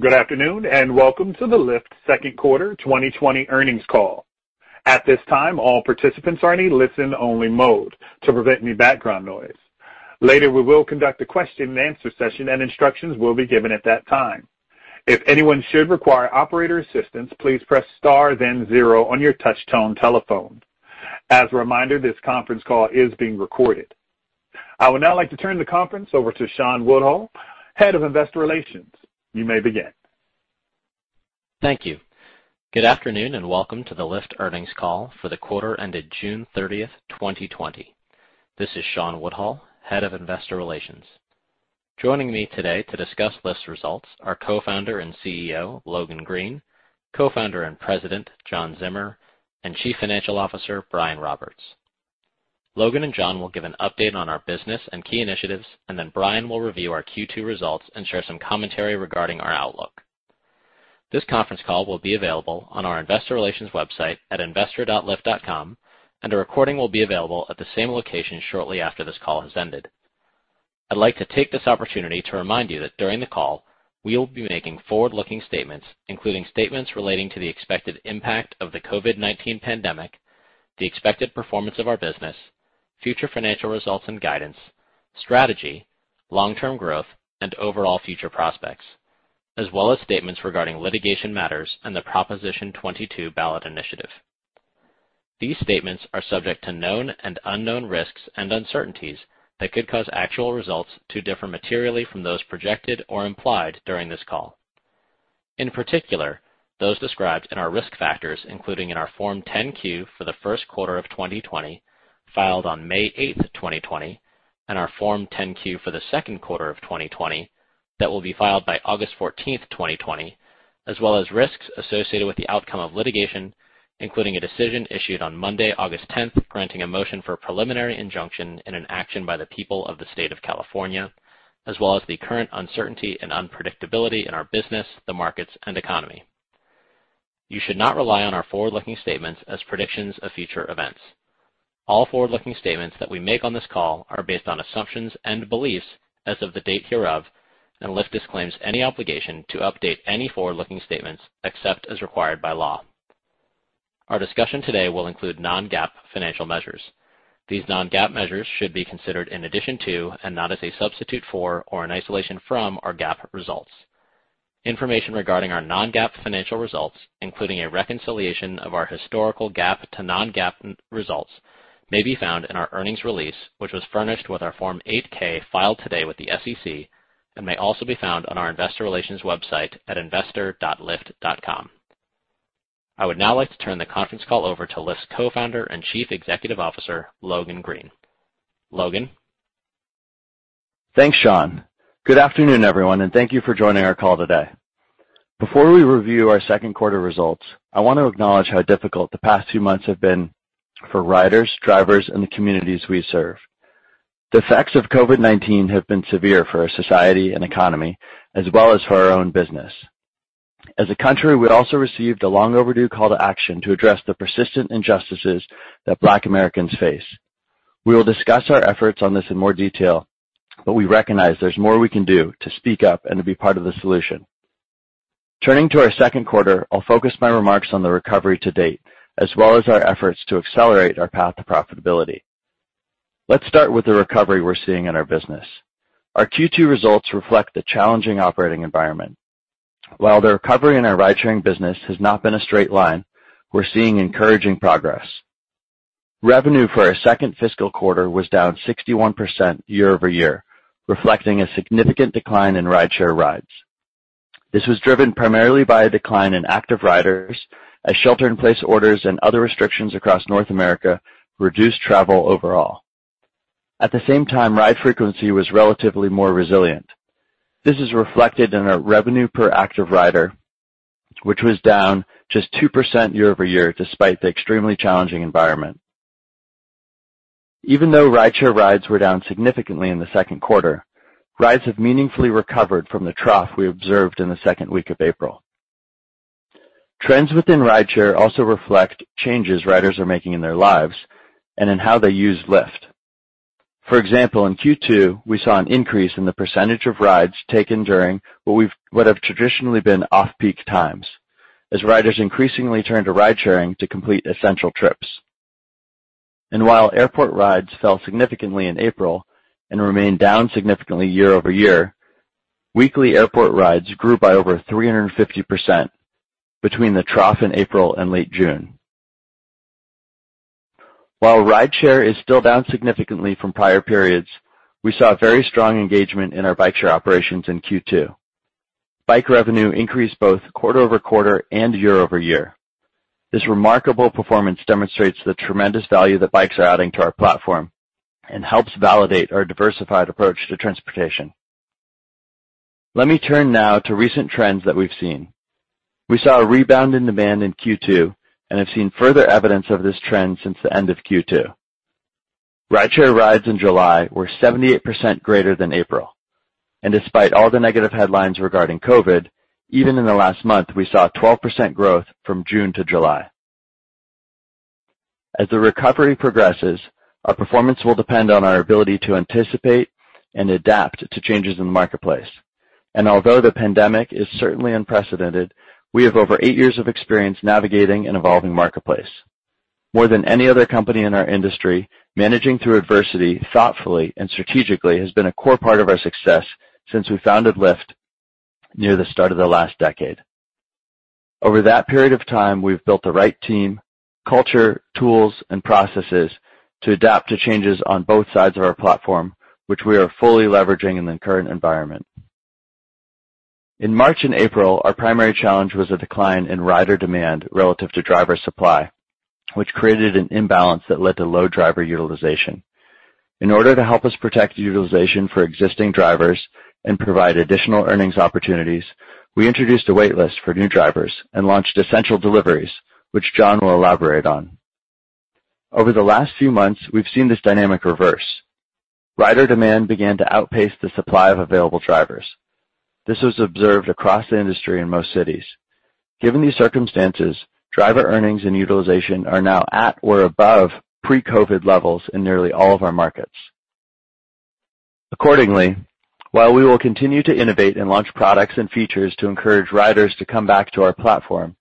Good afternoon, and welcome to the Lyft second quarter 2020 earnings call. At this time, all participants are in a listen only mode to prevent any background noise, later we will conduct the question-and-answer session and instructions will be given at that time. If anyone should require operator assistance please press star then zero on your touch tone telephone. As a reminder this conference call is being recorded. I would now like to turn the conference over to Shawn Woodhull, Head of Investor Relations. You may begin. Thank you. Good afternoon, and welcome to the Lyft earnings call for the quarter ended June 30th, 2020. This is Shawn Woodhull, Head of Investor Relations. Joining me today to discuss Lyft's results are Co-founder and CEO, Logan Green, Co-founder and President, John Zimmer, and Chief Financial Officer, Brian Roberts. Logan and John will give an update on our business and key initiatives, and then Brian will review our Q2 results and share some commentary regarding our outlook. This conference call will be available on our investor relations website at investor.lyft.com, and a recording will be available at the same location shortly after this call has ended. I'd like to take this opportunity to remind you that during the call, we will be making forward-looking statements, including statements relating to the expected impact of the COVID-19 pandemic, the expected performance of our business, future financial results and guidance, strategy, long-term growth, and overall future prospects, as well as statements regarding litigation matters and the Proposition 22 ballot initiative. These statements are subject to known and unknown risks and uncertainties that could cause actual results to differ materially from those projected or implied during this call. In particular, those described in our risk factors, including in our Form 10-Q for the first quarter of 2020, filed on May 8th, 2020, and our Form 10-Q for the second quarter of 2020, that will be filed by August 14th, 2020. As well as risks associated with the outcome of litigation, including a decision issued on Monday, August 10th, granting a motion for preliminary injunction in an action by the People of the State of California, as well as the current uncertainty and unpredictability in our business, the markets, and economy. You should not rely on our forward-looking statements as predictions of future events. All forward-looking statements that we make on this call are based on assumptions and beliefs as of the date hereof. Lyft disclaims any obligation to update any forward-looking statements, except as required by law. Our discussion today will include non-GAAP financial measures. These non-GAAP measures should be considered in addition to and not as a substitute for or in isolation from our GAAP results. Information regarding our non-GAAP financial results, including a reconciliation of our historical GAAP to non-GAAP results, may be found in our earnings release, which was furnished with our Form 8-K filed today with the SEC and may also be found on our investor relations website at investor.lyft.com. I would now like to turn the conference call over to Lyft's Co-founder and Chief Executive Officer, Logan Green. Logan? Thanks, Shawn. Good afternoon, everyone, and thank you for joining our call today. Before we review our second quarter results, I want to acknowledge how difficult the past two months have been for riders, drivers, and the communities we serve. The effects of COVID-19 have been severe for our society and economy, as well as for our own business. As a country, we also received a long-overdue call to action to address the persistent injustices that Black Americans face. We will discuss our efforts on this in more detail, but we recognize there's more we can do to speak up and to be part of the solution. Turning to our second quarter, I'll focus my remarks on the recovery to date, as well as our efforts to accelerate our path to profitability. Let's start with the recovery we're seeing in our business. Our Q2 results reflect the challenging operating environment. While the recovery in our ridesharing business has not been a straight line, we're seeing encouraging progress. Revenue for our second fiscal quarter was down 61% year-over-year, reflecting a significant decline in rideshare rides. This was driven primarily by a decline in active riders as shelter-in-place orders and other restrictions across North America reduced travel overall. At the same time, ride frequency was relatively more resilient. This is reflected in our revenue per active rider, which was down just 2% year-over-year despite the extremely challenging environment. Even though rideshare rides were down significantly in the second quarter, rides have meaningfully recovered from the trough we observed in the second week of April. Trends within rideshare also reflect changes riders are making in their lives and in how they use Lyft. For example, in Q2, we saw an increase in the percentage of rides taken during what have traditionally been off-peak times, as riders increasingly turn to ridesharing to complete essential trips. While airport rides fell significantly in April and remain down significantly year-over-year, weekly airport rides grew by over 350% between the trough in April and late June. While rideshare is still down significantly from prior periods, we saw very strong engagement in our bikeshare operations in Q2. Bike revenue increased both quarter-over-quarter and year-over-year. This remarkable performance demonstrates the tremendous value that bikes are adding to our platform and helps validate our diversified approach to transportation. Let me turn now to recent trends that we've seen. We saw a rebound in demand in Q2, and have seen further evidence of this trend since the end of Q2. Rideshare rides in July were 78% greater than April. Despite all the negative headlines regarding COVID-19, even in the last month, we saw a 12% growth from June to July. As the recovery progresses, our performance will depend on our ability to anticipate and adapt to changes in the marketplace. Although the pandemic is certainly unprecedented, we have over eight years of experience navigating an evolving marketplace. More than any other company in our industry, managing through adversity thoughtfully and strategically has been a core part of our success since we founded Lyft near the start of the last decade. Over that period of time, we've built the right team, culture, tools, and processes to adapt to changes on both sides of our platform, which we are fully leveraging in the current environment. In March and April, our primary challenge was a decline in rider demand relative to driver supply, which created an imbalance that led to low driver utilization. In order to help us protect utilization for existing drivers and provide additional earnings opportunities, we introduced a wait list for new drivers and launched essential deliveries, which John will elaborate on. Over the last few months, we've seen this dynamic reverse. Rider demand began to outpace the supply of available drivers. This was observed across the industry in most cities. Given these circumstances, driver earnings and utilization are now at or above pre-COVID-19 levels in nearly all of our markets. Accordingly, while we will continue to innovate and launch products and features to encourage riders to come back to our platform,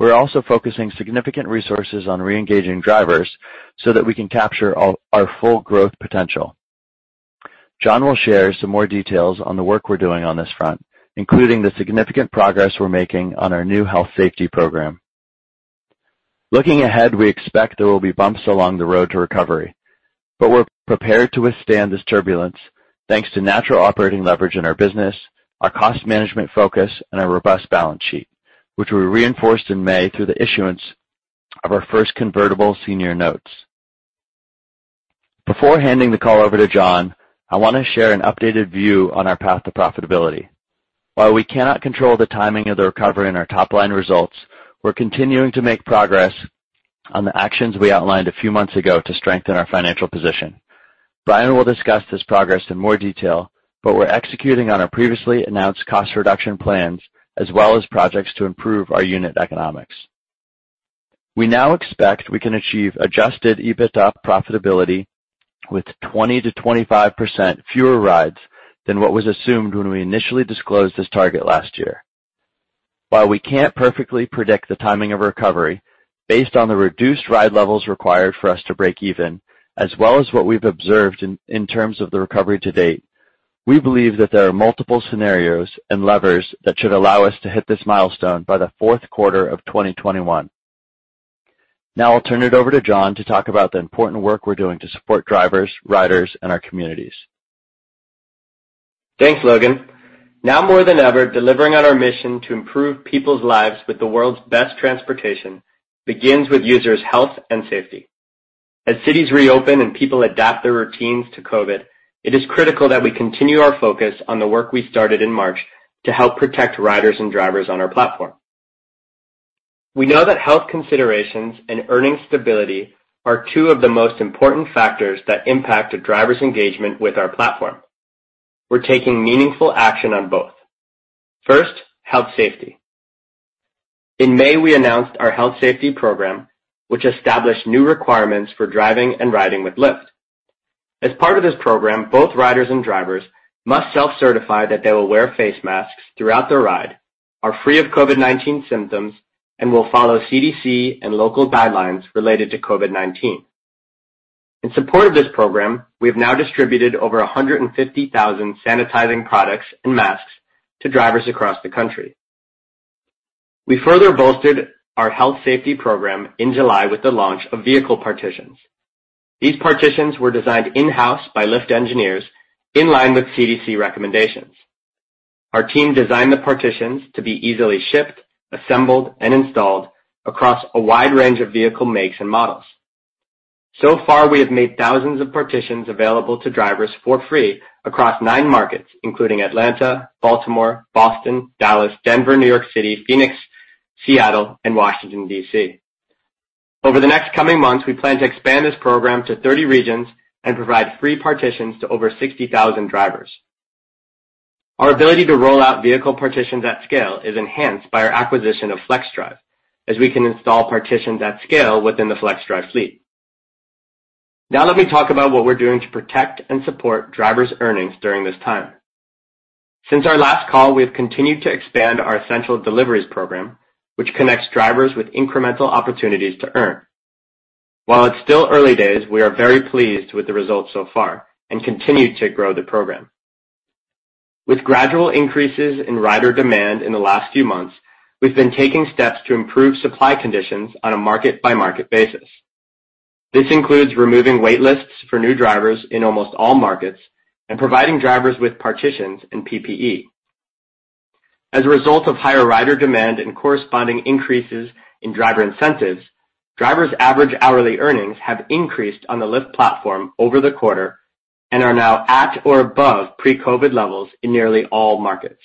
we're also focusing significant resources on re-engaging drivers so that we can capture our full growth potential. John will share some more details on the work we're doing on this front, including the significant progress we're making on our new health safety program. Looking ahead, we expect there will be bumps along the road to recovery, but we're prepared to withstand this turbulence thanks to natural operating leverage in our business, our cost management focus, and our robust balance sheet, which we reinforced in May through the issuance of our first convertible senior notes. Before handing the call over to John, I want to share an updated view on our path to profitability. While we cannot control the timing of the recovery in our top-line results, we're continuing to make progress on the actions we outlined a few months ago to strengthen our financial position. Brian will discuss this progress in more detail, but we're executing on our previously announced cost reduction plans, as well as projects to improve our unit economics. We now expect we can achieve adjusted EBITDA profitability with 20%-25% fewer rides than what was assumed when we initially disclosed this target last year. While we can't perfectly predict the timing of recovery, based on the reduced ride levels required for us to break even, as well as what we've observed in terms of the recovery to date, we believe that there are multiple scenarios and levers that should allow us to hit this milestone by the fourth quarter of 2021. Now I'll turn it over to John to talk about the important work we're doing to support drivers, riders, and our communities. Thanks, Logan. Now more than ever, delivering on our mission to improve people's lives with the world's best transportation begins with users' health and safety. As cities reopen and people adapt their routines to COVID-19, it is critical that we continue our focus on the work we started in March to help protect riders and drivers on our platform. We know that health considerations and earning stability are two of the most important factors that impact a driver's engagement with our platform. We're taking meaningful action on both. First, health safety. In May, we announced our health safety program, which established new requirements for driving and riding with Lyft. As part of this program, both riders and drivers must self-certify that they will wear face masks throughout their ride, are free of COVID-19 symptoms, and will follow CDC and local guidelines related to COVID-19. In support of this program, we have now distributed over 150,000 sanitizing products and masks to drivers across the country. We further bolstered our health safety program in July with the launch of vehicle partitions. These partitions were designed in-house by Lyft engineers in line with CDC recommendations. Our team designed the partitions to be easily shipped, assembled, and installed across a wide range of vehicle makes and models. So far, we have made thousands of partitions available to drivers for free across nine markets, including Atlanta, Baltimore, Boston, Dallas, Denver, New York City, Phoenix, Seattle, and Washington, D.C. Over the next coming months, we plan to expand this program to 30 regions and provide free partitions to over 60,000 drivers. Our ability to roll out vehicle partitions at scale is enhanced by our acquisition of Flexdrive, as we can install partitions at scale within the Flexdrive fleet. Now let me talk about what we're doing to protect and support drivers' earnings during this time. Since our last call, we have continued to expand our essential deliveries program, which connects drivers with incremental opportunities to earn. While it's still early days, we are very pleased with the results so far and continue to grow the program. With gradual increases in rider demand in the last few months, we've been taking steps to improve supply conditions on a market-by-market basis. This includes removing wait lists for new drivers in almost all markets and providing drivers with partitions and PPE. As a result of higher rider demand and corresponding increases in driver incentives, drivers' average hourly earnings have increased on the Lyft platform over the quarter and are now at or above pre-COVID levels in nearly all markets.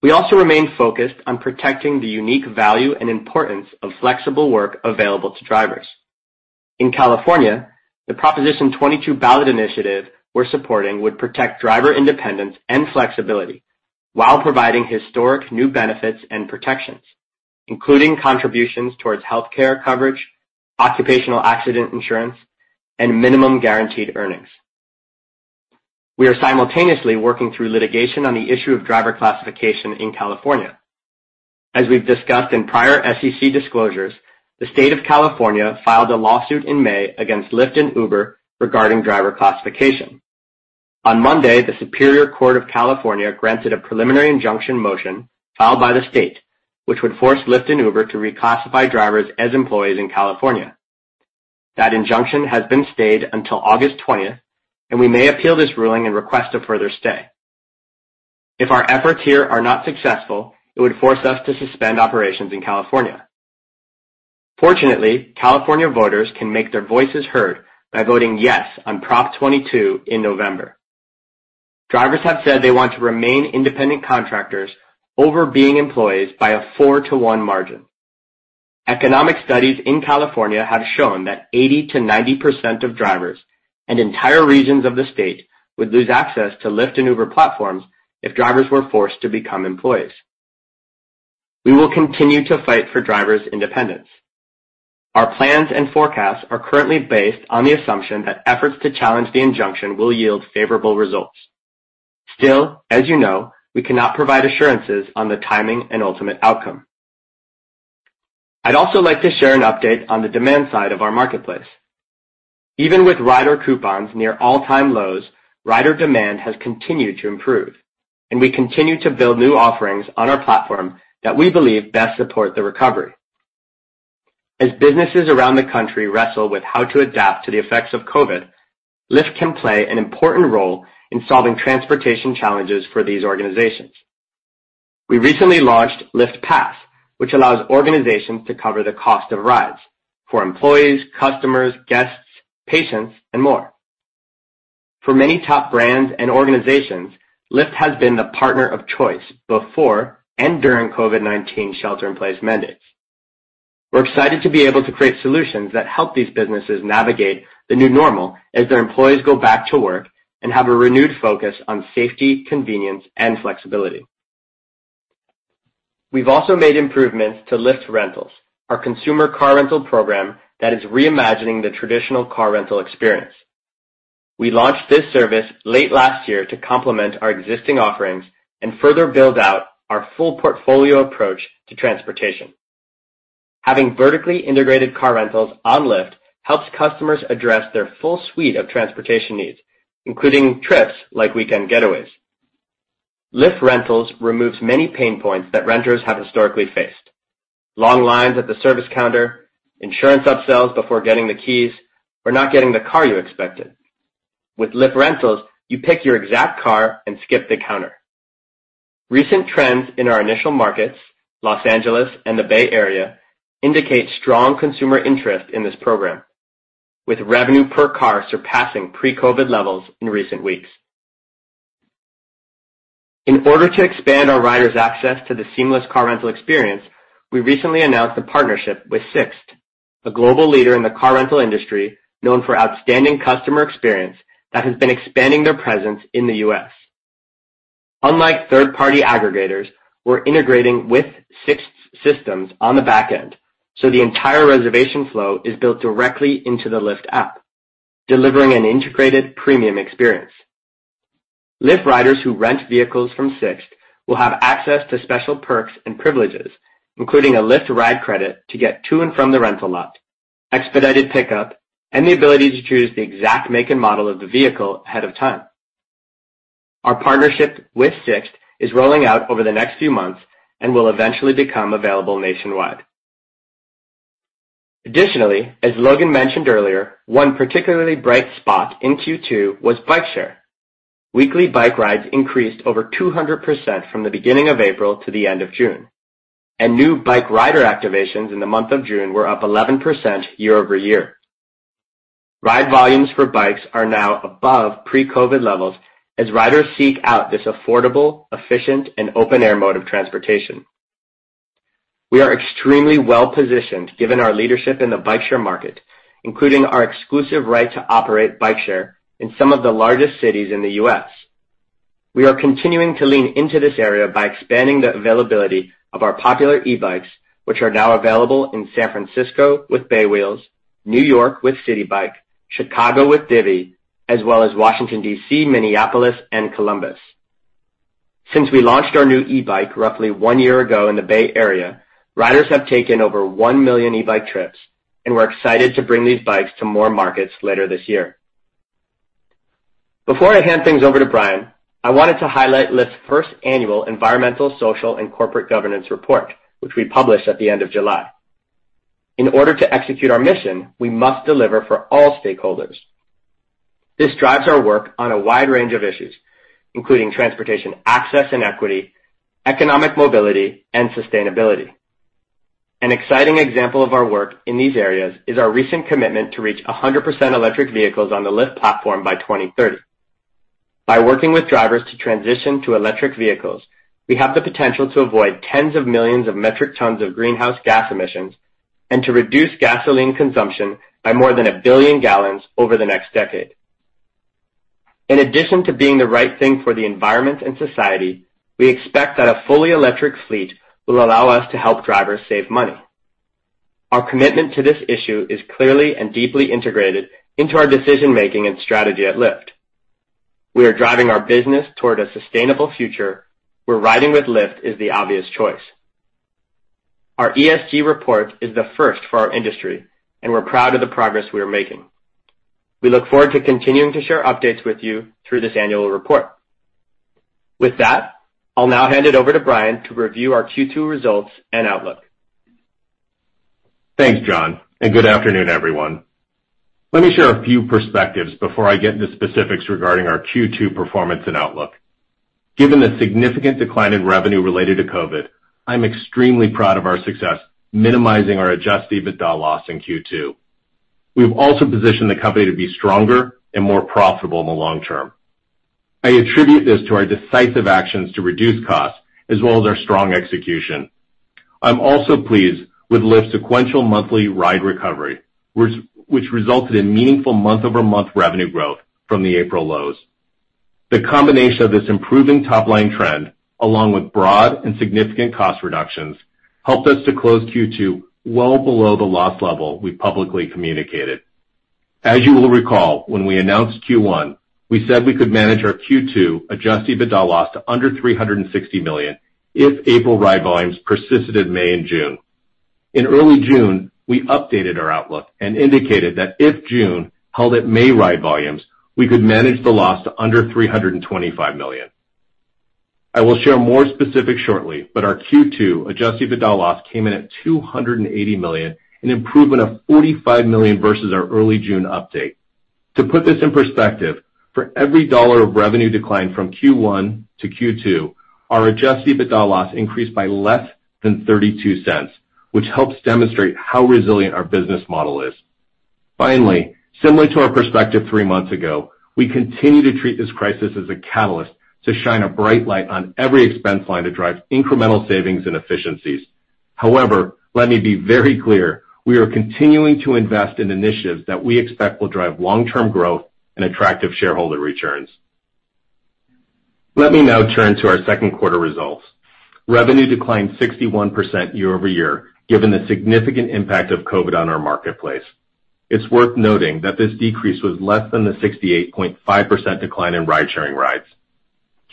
We also remain focused on protecting the unique value and importance of flexible work available to drivers. In California, the Proposition 22 ballot initiative we're supporting would protect driver independence and flexibility while providing historic new benefits and protections, including contributions towards healthcare coverage, occupational accident insurance, and minimum guaranteed earnings. We are simultaneously working through litigation on the issue of driver classification in California. As we've discussed in prior SEC disclosures, the State of California filed a lawsuit in May against Lyft and Uber regarding driver classification. On Monday, the Superior Court of California granted a preliminary injunction motion filed by the state, which would force Lyft and Uber to reclassify drivers as employees in California. That injunction has been stayed until August 20th. We may appeal this ruling and request a further stay. If our efforts here are not successful, it would force us to suspend operations in California. Fortunately, California voters can make their voices heard by voting yes on Proposition 22 in November. Drivers have said they want to remain independent contractors over being employees by a four to one margin. Economic studies in California have shown that 80%-90% of drivers and entire regions of the state would lose access to Lyft and Uber platforms if drivers were forced to become employees. We will continue to fight for drivers' independence. Our plans and forecasts are currently based on the assumption that efforts to challenge the injunction will yield favorable results. Still, as you know, we cannot provide assurances on the timing and ultimate outcome. I'd also like to share an update on the demand side of our marketplace. Even with rider coupons near all-time lows, rider demand has continued to improve, and we continue to build new offerings on our platform that we believe best support the recovery. As businesses around the country wrestle with how to adapt to the effects of COVID, Lyft can play an important role in solving transportation challenges for these organizations. We recently launched Lyft Pass, which allows organizations to cover the cost of rides for employees, customers, guests, patients, and more. For many top brands and organizations, Lyft has been the partner of choice before and during COVID-19 shelter in place mandates. We're excited to be able to create solutions that help these businesses navigate the new normal as their employees go back to work and have a renewed focus on safety, convenience, and flexibility. We've also made improvements to Lyft Rentals, our consumer car rental program that is reimagining the traditional car rental experience. We launched this service late last year to complement our existing offerings and further build out our full portfolio approach to transportation. Having vertically integrated car rentals on Lyft helps customers address their full suite of transportation needs, including trips like weekend getaways. Lyft Rentals removes many pain points that renters have historically faced. Long lines at the service counter, insurance upsells before getting the keys, or not getting the car you expected. With Lyft Rentals, you pick your exact car and skip the counter. Recent trends in our initial markets, Los Angeles and the Bay Area, indicate strong consumer interest in this program, with revenue per car surpassing pre-COVID levels in recent weeks. In order to expand our riders' access to the seamless car rental experience, we recently announced a partnership with SIXT, a global leader in the car rental industry known for outstanding customer experience that has been expanding their presence in the U.S. Unlike third-party aggregators, we're integrating with SIXT's systems on the back end, so the entire reservation flow is built directly into the Lyft app, delivering an integrated premium experience. Lyft riders who rent vehicles from SIXT will have access to special perks and privileges, including a Lyft ride credit to get to and from the rental lot, expedited pickup, and the ability to choose the exact make and model of the vehicle ahead of time. Our partnership with SIXT is rolling out over the next few months and will eventually become available nationwide. Additionally, as Logan mentioned earlier, one particularly bright spot in Q2 was bike share. Weekly bike rides increased over 200% from the beginning of April to the end of June. New bike rider activations in the month of June were up 11% year-over-year. Ride volumes for bikes are now above pre-COVID levels as riders seek out this affordable, efficient, and open-air mode of transportation. We are extremely well-positioned given our leadership in the bike share market, including our exclusive right to operate bike share in some of the largest cities in the U.S. We are continuing to lean into this area by expanding the availability of our popular e-bikes, which are now available in San Francisco with Bay Wheels, New York with Citi Bike, Chicago with Divvy, as well as Washington, D.C., Minneapolis and Columbus. Since we launched our new e-bike roughly one year ago in the Bay Area, riders have taken over one million e-bike trips. We're excited to bring these bikes to more markets later this year. Before I hand things over to Brian, I wanted to highlight Lyft's first annual environmental, social, and corporate governance report, which we published at the end of July. In order to execute our mission, we must deliver for all stakeholders. This drives our work on a wide range of issues, including transportation access and equity, economic mobility, and sustainability. An exciting example of our work in these areas is our recent commitment to reach 100% electric vehicles on the Lyft platform by 2030. By working with drivers to transition to electric vehicles, we have the potential to avoid tens of millions of metric tons of greenhouse gas emissions, and to reduce gasoline consumption by more than 1 billion gallons over the next decade. In addition to being the right thing for the environment and society, we expect that a fully electric fleet will allow us to help drivers save money. Our commitment to this issue is clearly and deeply integrated into our decision-making and strategy at Lyft. We are driving our business toward a sustainable future, where riding with Lyft is the obvious choice. Our ESG report is the first for our industry, and we're proud of the progress we are making. We look forward to continuing to share updates with you through this annual report. With that, I'll now hand it over to Brian to review our Q2 results and outlook. Thanks, John, and good afternoon, everyone. Let me share a few perspectives before I get into specifics regarding our Q2 performance and outlook. Given the significant decline in revenue related to COVID-19, I'm extremely proud of our success minimizing our adjusted EBITDA loss in Q2. We've also positioned the company to be stronger and more profitable in the long term. I attribute this to our decisive actions to reduce costs as well as our strong execution. I'm also pleased with Lyft's sequential monthly ride recovery, which resulted in meaningful month-over-month revenue growth from the April lows. The combination of this improving top-line trend, along with broad and significant cost reductions, helped us to close Q2 well below the loss level we publicly communicated. As you will recall, when we announced Q1, we said we could manage our Q2 adjusted EBITDA loss to under $360 million if April ride volumes persisted in May and June. In early June, we updated our outlook and indicated that if June held at May ride volumes, we could manage the loss to under $325 million. I will share more specifics shortly, but our Q2 adjusted EBITDA loss came in at $280 million, an improvement of $45 million versus our early June update. To put this in perspective, for every one dollar of revenue decline from Q1 to Q2, our adjusted EBITDA loss increased by less than $0.32, which helps demonstrate how resilient our business model is. Finally, similar to our perspective three months ago, we continue to treat this crisis as a catalyst to shine a bright light on every expense line to drive incremental savings and efficiencies. However, let me be very clear, we are continuing to invest in initiatives that we expect will drive long-term growth and attractive shareholder returns. Let me now turn to our second quarter results. Revenue declined 61% year-over-year, given the significant impact of COVID-19 on our marketplace. It's worth noting that this decrease was less than the 68.5% decline in ride-sharing rides.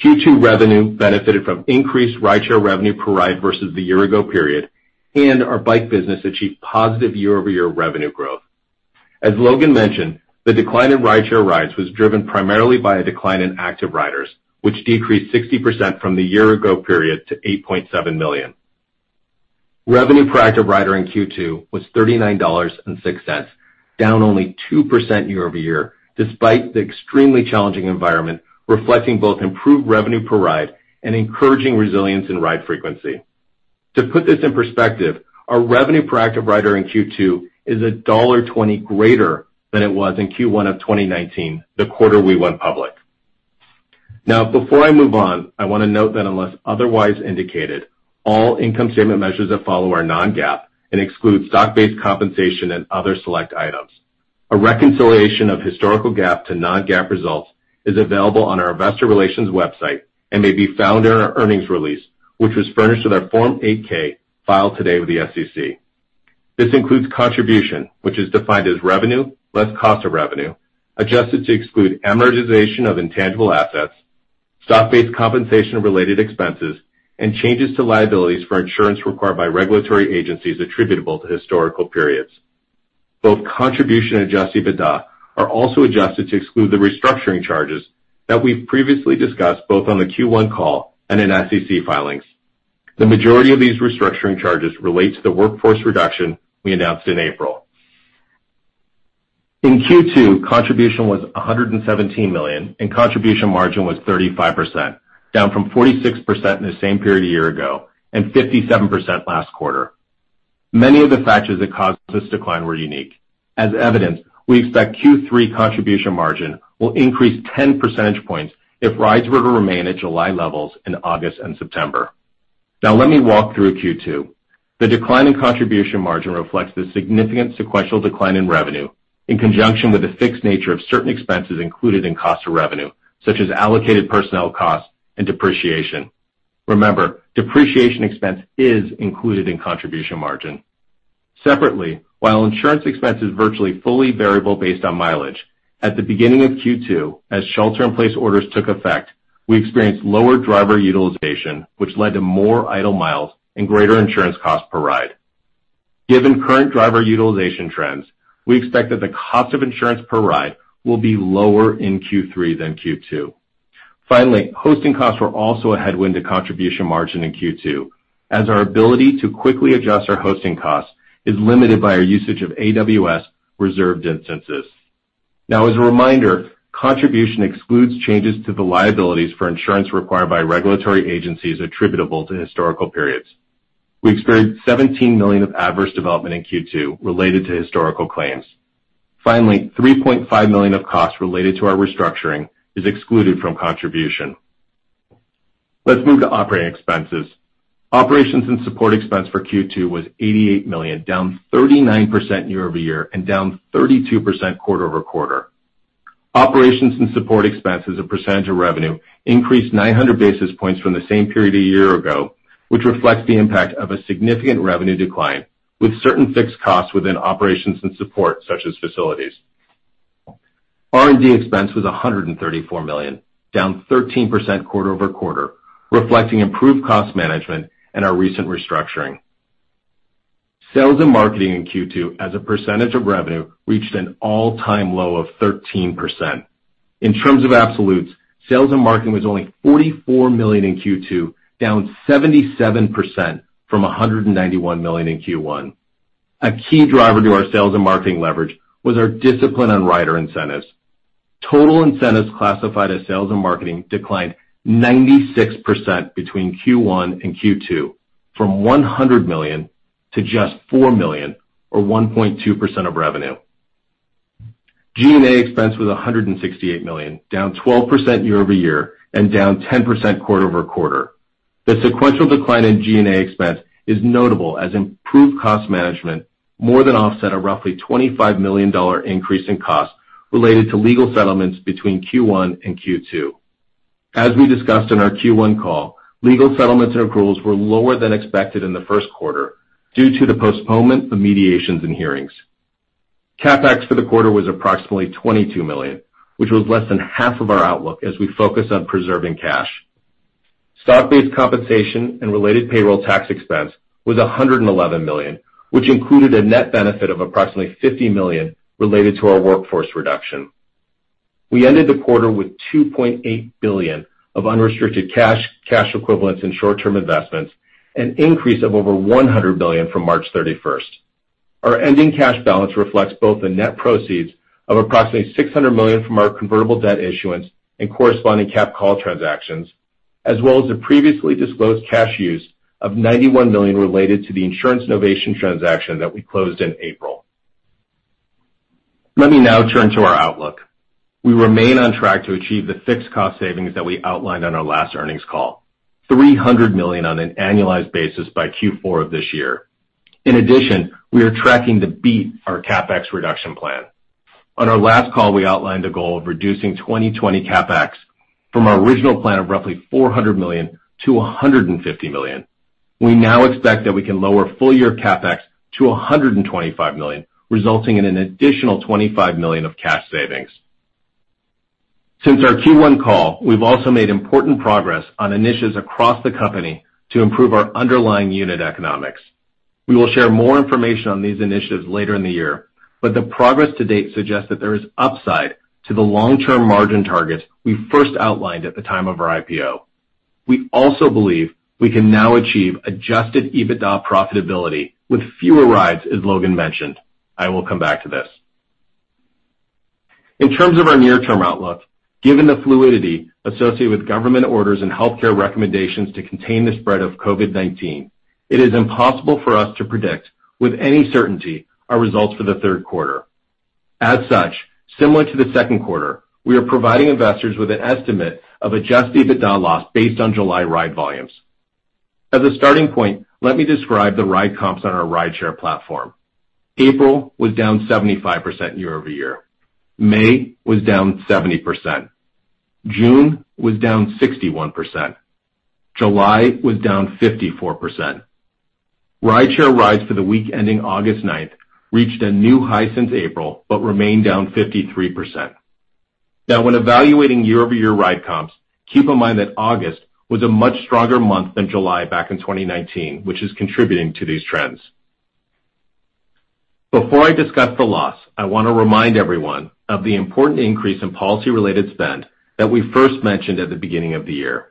Q2 revenue benefited from increased rideshare revenue per ride versus the year-ago period, and our bike business achieved positive year-over-year revenue growth. As Logan mentioned, the decline in rideshare rides was driven primarily by a decline in active riders, which decreased 60% from the year-ago period to 8.7 million. Revenue per Active Rider in Q2 was $39.06, down only 2% year-over-year, despite the extremely challenging environment, reflecting both improved revenue per ride and encouraging resilience in ride frequency. To put this in perspective, our Revenue per Active Rider in Q2 is $1.20 greater than it was in Q1 of 2019, the quarter we went public. Before I move on, I want to note that unless otherwise indicated, all income statement measures that follow are non-GAAP and exclude stock-based compensation and other select items. A reconciliation of historical GAAP to non-GAAP results is available on our investor relations website and may be found in our earnings release, which was furnished with our Form 8-K filed today with the SEC. This includes contribution, which is defined as revenue less cost of revenue, adjusted to exclude amortization of intangible assets, stock-based compensation related expenses, and changes to liabilities for insurance required by regulatory agencies attributable to historical periods. Both contribution and adjusted EBITDA are also adjusted to exclude the restructuring charges that we've previously discussed both on the Q1 call and in SEC filings. The majority of these restructuring charges relate to the workforce reduction we announced in April. In Q2, contribution was $117 million, and contribution margin was 35%, down from 46% in the same period a year ago and 57% last quarter. Many of the factors that caused this decline were unique. As evidenced, we expect Q3 contribution margin will increase 10 percentage points if rides were to remain at July levels in August and September. Now let me walk through Q2. The decline in contribution margin reflects the significant sequential decline in revenue in conjunction with the fixed nature of certain expenses included in cost of revenue, such as allocated personnel costs and depreciation. Remember, depreciation expense is included in contribution margin. Separately, while insurance expense is virtually fully variable based on mileage, at the beginning of Q2, as shelter-in-place orders took effect, we experienced lower driver utilization, which led to more idle miles and greater insurance cost per ride. Given current driver utilization trends, we expect that the cost of insurance per ride will be lower in Q3 than Q2. Finally, hosting costs were also a headwind to contribution margin in Q2, as our ability to quickly adjust our hosting costs is limited by our usage of AWS reserved instances. As a reminder, contribution excludes changes to the liabilities for insurance required by regulatory agencies attributable to historical periods. We experienced $17 million of adverse development in Q2 related to historical claims. Finally, $3.5 million of costs related to our restructuring is excluded from contribution. Let's move to operating expenses. Operations and support expense for Q2 was $88 million, down 39% year-over-year and down 32% quarter-over-quarter. Operations and support expenses as a percentage of revenue increased 900 basis points from the same period a year ago, which reflects the impact of a significant revenue decline with certain fixed costs within operations and support, such as facilities. R&D expense was $134 million, down 13% quarter-over-quarter, reflecting improved cost management and our recent restructuring. Sales and marketing in Q2 as a percentage of revenue reached an all-time low of 13%. In terms of absolutes, sales and marketing was only $44 million in Q2, down 77% from $191 million in Q1. A key driver to our sales and marketing leverage was our discipline on rider incentives. Total incentives classified as sales and marketing declined 96% between Q1 and Q2, from $100 million to just $4 million, or 1.2% of revenue. G&A expense was $168 million, down 12% year-over-year and down 10% quarter-over-quarter. The sequential decline in G&A expense is notable as improved cost management more than offset a roughly $25 million increase in cost related to legal settlements between Q1 and Q2. As we discussed on our Q1 call, legal settlements and accruals were lower than expected in the first quarter due to the postponement of mediations and hearings. CapEx for the quarter was approximately $22 million, which was less than half of our outlook as we focus on preserving cash. Stock-based compensation and related payroll tax expense was $111 million, which included a net benefit of approximately $50 million related to our workforce reduction. We ended the quarter with $2.8 billion of unrestricted cash equivalents, and short-term investments, an increase of over $100 million from March 31st. Our ending cash balance reflects both the net proceeds of approximately $600 million from our convertible debt issuance and corresponding capped call transactions, as well as the previously disclosed cash use of $91 million related to the insurance novation transaction that we closed in April. Let me now turn to our outlook. We remain on track to achieve the fixed cost savings that we outlined on our last earnings call, $300 million on an annualized basis by Q4 of this year. In addition, we are tracking to beat our CapEx reduction plan. On our last call, we outlined a goal of reducing 2020 CapEx from our original plan of roughly $400 million-$150 million. We now expect that we can lower full-year CapEx to $125 million, resulting in an additional $25 million of cash savings. Since our Q1 call, we've also made important progress on initiatives across the company to improve our underlying unit economics. We will share more information on these initiatives later in the year, but the progress to date suggests that there is upside to the long-term margin targets we first outlined at the time of our IPO. We also believe we can now achieve adjusted EBITDA profitability with fewer rides, as Logan mentioned. I will come back to this. In terms of our near-term outlook, given the fluidity associated with government orders and healthcare recommendations to contain the spread of COVID-19, it is impossible for us to predict with any certainty our results for the third quarter. As such, similar to the second quarter, we are providing investors with an estimate of adjusted EBITDA loss based on July ride volumes. As a starting point, let me describe the ride comps on our rideshare platform. April was down 75% year-over-year. May was down 70%. June was down 61%. July was down 54%. Rideshare rides for the week ending August 9th reached a new high since April, but remained down 53%. When evaluating year-over-year ride comps, keep in mind that August was a much stronger month than July back in 2019, which is contributing to these trends. Before I discuss the loss, I want to remind everyone of the important increase in policy-related spend that we first mentioned at the beginning of the year.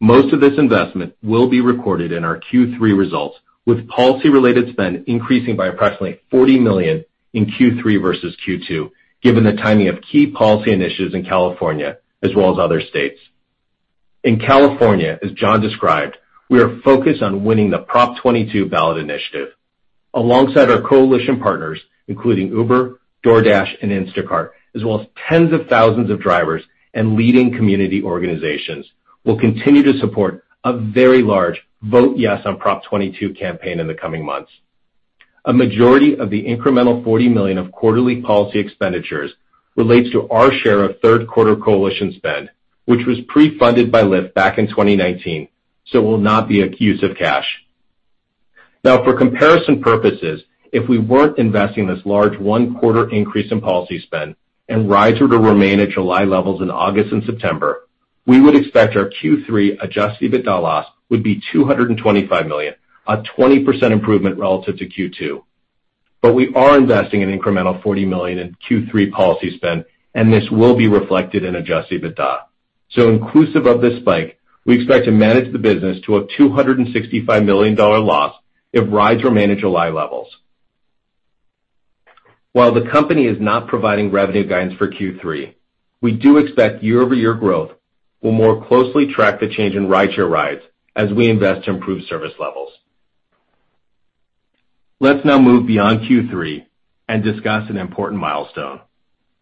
Most of this investment will be recorded in our Q3 results, with policy-related spend increasing by approximately $40 million in Q3 versus Q2, given the timing of key policy initiatives in California as well as other states. In California, as John described, we are focused on winning the Proposition 22 ballot initiative. Alongside our coalition partners, including Uber, DoorDash, and Instacart, as well as tens of thousands of drivers and leading community organizations, we'll continue to support a very large Vote Yes on Proposition 22 campaign in the coming months. A majority of the incremental $40 million of quarterly policy expenditures relates to our share of third-quarter coalition spend, which was pre-funded by Lyft back in 2019, so will not be a use of cash. Now, for comparison purposes, if we weren't investing this large one-quarter increase in policy spend and rides were to remain at July levels in August and September, we would expect our Q3 adjusted EBITDA loss would be $225 million, a 20% improvement relative to Q2. We are investing an incremental $40 million in Q3 policy spend, and this will be reflected in adjusted EBITDA. Inclusive of this spike, we expect to manage the business to a $265 million loss if rides remain at July levels. While the company is not providing revenue guidance for Q3, we do expect year-over-year growth will more closely track the change in rideshare rides as we invest to improve service levels. Let's now move beyond Q3 and discuss an important milestone.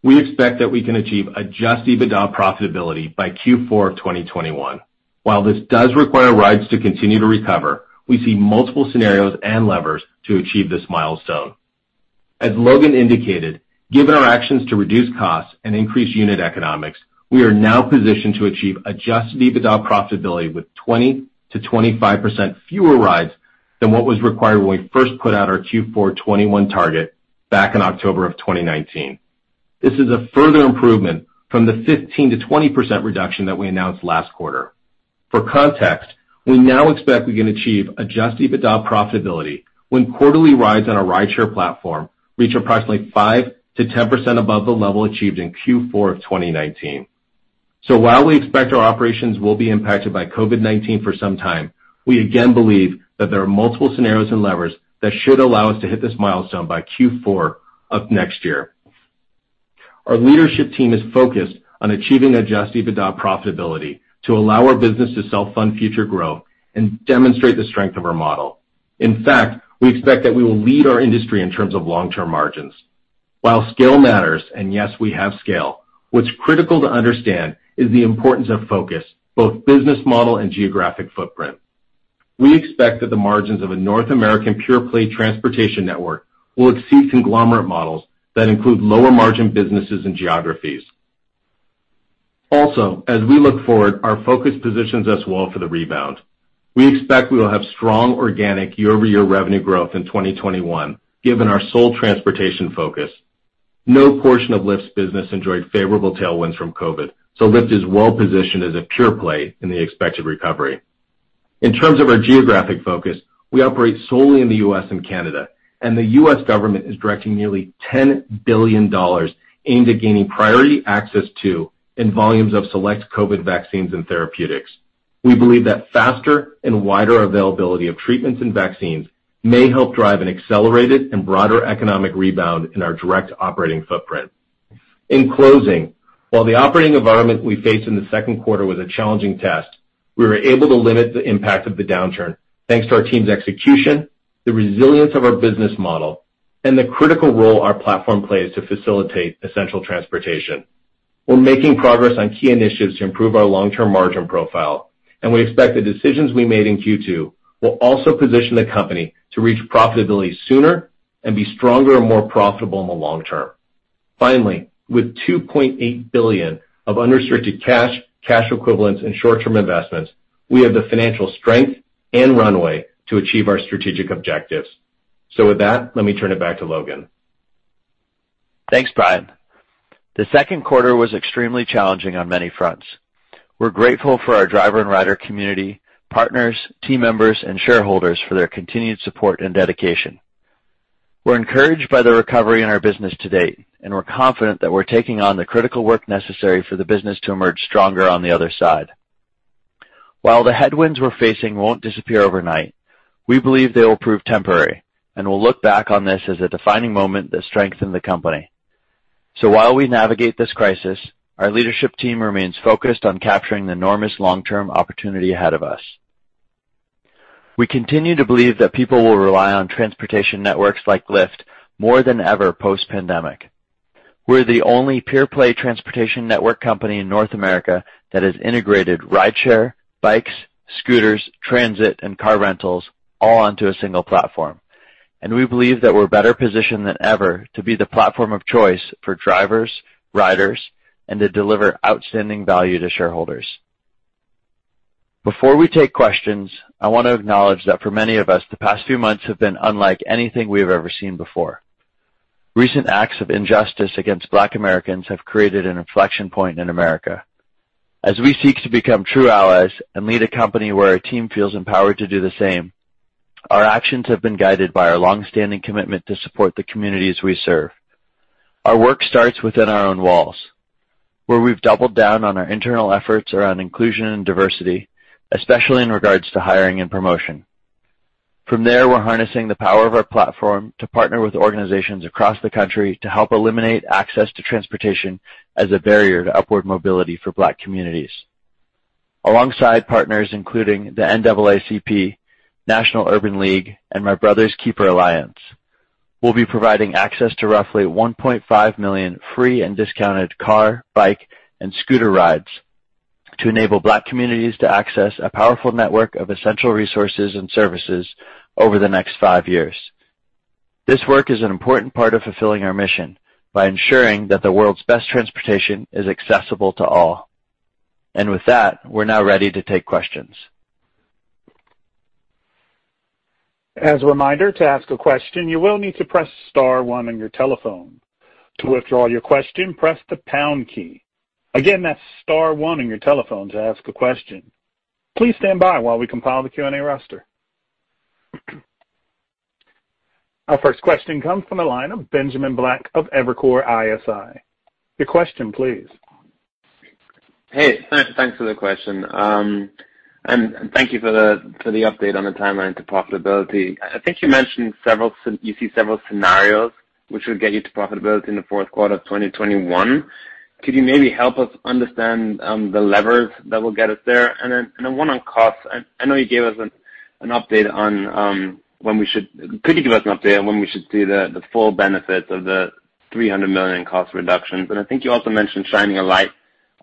We expect that we can achieve adjusted EBITDA profitability by Q4 of 2021. While this does require rides to continue to recover, we see multiple scenarios and levers to achieve this milestone. As Logan indicated, given our actions to reduce costs and increase unit economics, we are now positioned to achieve adjusted EBITDA profitability with 20%-25% fewer rides than what was required when we first put out our Q4 2021 target back in October of 2019. This is a further improvement from the 15%-20% reduction that we announced last quarter. For context, we now expect we can achieve adjusted EBITDA profitability when quarterly rides on our rideshare platform reach approximately 5%-10% above the level achieved in Q4 of 2019. While we expect our operations will be impacted by COVID-19 for some time, we again believe that there are multiple scenarios and levers that should allow us to hit this milestone by Q4 of next year. Our leadership team is focused on achieving adjusted EBITDA profitability to allow our business to self-fund future growth and demonstrate the strength of our model. In fact, we expect that we will lead our industry in terms of long-term margins. While scale matters, and yes, we have scale, what's critical to understand is the importance of focus, both business model and geographic footprint. We expect that the margins of a North American pure-play transportation network will exceed conglomerate models that include lower-margin businesses and geographies. As we look forward, our focus positions us well for the rebound. We expect we will have strong organic year-over-year revenue growth in 2021, given our sole transportation focus. No portion of Lyft's business enjoyed favorable tailwinds from COVID, so Lyft is well-positioned as a pure play in the expected recovery. In terms of our geographic focus, we operate solely in the U.S. and Canada, and the U.S. government is directing nearly $10 billion aimed at gaining priority access to and volumes of select COVID vaccines and therapeutics. We believe that faster and wider availability of treatments and vaccines may help drive an accelerated and broader economic rebound in our direct operating footprint. In closing, while the operating environment we faced in the second quarter was a challenging test, we were able to limit the impact of the downturn thanks to our team's execution, the resilience of our business model, and the critical role our platform plays to facilitate essential transportation. We're making progress on key initiatives to improve our long-term margin profile, and we expect the decisions we made in Q2 will also position the company to reach profitability sooner and be stronger and more profitable in the long term. With $2.8 billion of unrestricted cash equivalents, and short-term investments, we have the financial strength and runway to achieve our strategic objectives. With that, let me turn it back to Logan. Thanks, Brian. The second quarter was extremely challenging on many fronts. We're grateful for our driver and rider community, partners, team members, and shareholders for their continued support and dedication. We're encouraged by the recovery in our business to date. We're confident that we're taking on the critical work necessary for the business to emerge stronger on the other side. While the headwinds we're facing won't disappear overnight, we believe they will prove temporary. We'll look back on this as a defining moment that strengthened the company. While we navigate this crisis, our leadership team remains focused on capturing the enormous long-term opportunity ahead of us. We continue to believe that people will rely on transportation networks like Lyft more than ever post-pandemic. We're the only pure-play transportation network company in North America that has integrated rideshare, bikes, scooters, transit, and car rentals all onto a single platform. We believe that we're better positioned than ever to be the platform of choice for drivers, riders, and to deliver outstanding value to shareholders. Before we take questions, I want to acknowledge that for many of us, the past few months have been unlike anything we have ever seen before. Recent acts of injustice against Black Americans have created an inflection point in America. As we seek to become true allies and lead a company where our team feels empowered to do the same, our actions have been guided by our longstanding commitment to support the communities we serve. Our work starts within our own walls, where we've doubled down on our internal efforts around inclusion and diversity, especially in regards to hiring and promotion. From there, we're harnessing the power of our platform to partner with organizations across the country to help eliminate access to transportation as a barrier to upward mobility for Black communities. Alongside partners including the NAACP, National Urban League, and My Brother's Keeper Alliance, we'll be providing access to roughly 1.5 million free and discounted car, bike, and scooter rides to enable Black communities to access a powerful network of essential resources and services over the next five years. This work is an important part of fulfilling our mission by ensuring that the world's best transportation is accessible to all. With that, we're now ready to take questions. Our first question comes from the line of Benjamin Black of Evercore ISI. Your question, please. Hey, thanks for the question. Thank you for the update on the timeline to profitability. I think you mentioned you see several scenarios which would get you to profitability in the fourth quarter of 2021. Could you maybe help us understand the levers that will get us there? One on costs. I know you could give us an update on when we should see the full benefits of the $300 million cost reductions. I think you also mentioned shining a light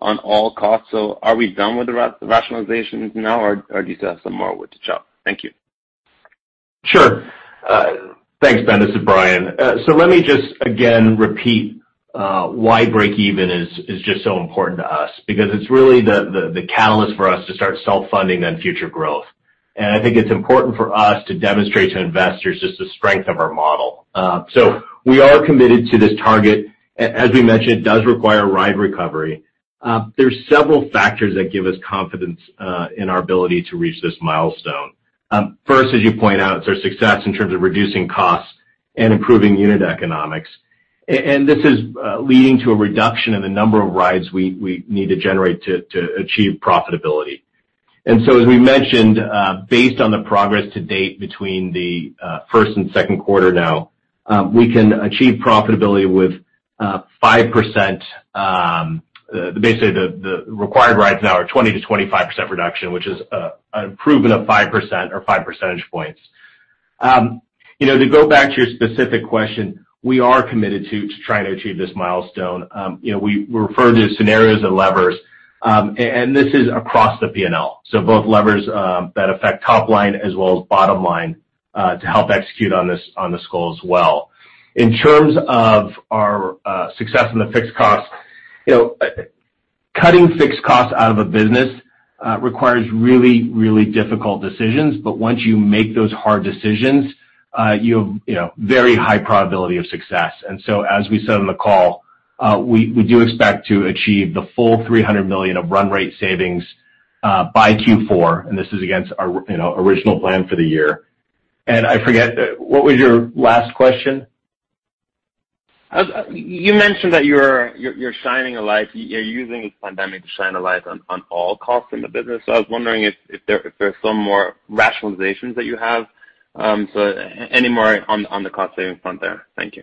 on all costs. Are we done with the rationalizations now, or do you still have some more wood to chop? Thank you. Sure. Thanks, Ben. This is Brian. Let me just, again, repeat why breakeven is just so important to us, because it's really the catalyst for us to start self-funding that future growth. I think it's important for us to demonstrate to investors just the strength of our model. We are committed to this target. As we mentioned, it does require ride recovery. There's several factors that give us confidence in our ability to reach this milestone. First, as you point out, it's our success in terms of reducing costs and improving unit economics. This is leading to a reduction in the number of rides we need to generate to achieve profitability. As we mentioned, based on the progress to date between the first and second quarter now, we can achieve profitability with 5%. The required rides now are 20%-25% reduction, which is an improvement of 5% or five percentage points. To go back to your specific question, we are committed to trying to achieve this milestone. We refer to scenarios and levers, this is across the P&L, both levers that affect top line as well as bottom line to help execute on this goal as well. In terms of our success in the fixed costs, cutting fixed costs out of a business requires really difficult decisions. Once you make those hard decisions, you have very high probability of success. As we said on the call, we do expect to achieve the full $300 million of run rate savings by Q4. This is against our original plan for the year. I forget, what was your last question? You mentioned that you're shining a light, you're using this pandemic to shine a light on all costs in the business. I was wondering if there are some more rationalizations that you have. Any more on the cost-saving front there. Thank you.